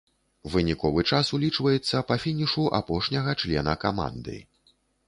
Выніковы час улічваецца па фінішу апошняга члена каманды.